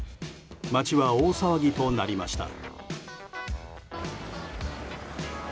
街は大騒ぎとなりました。